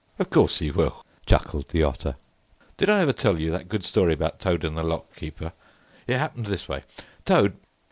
"Of course he will," chuckled the Otter. "Did I ever tell you that good story about Toad and the lock keeper? It happened this way. Toad...."